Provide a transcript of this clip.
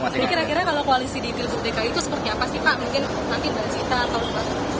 jadi kira kira kalau koalisi di pilgut dki itu seperti apa sih pak mungkin nanti dari zita atau